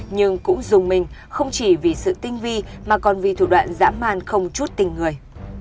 nhưng cũng dùng mình không chỉ vì sự tinh vi mà còn vì thủ đoạn dã man không chút tình người